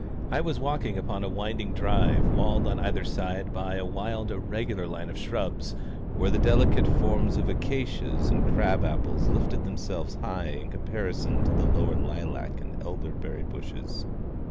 I was walking upon a winding drive, walled on either side by a wild irregular line of shrubs, where the delicate forms of acacias and crab apples lifted themselves high in comparison to the lower lilac and elderberry bushes.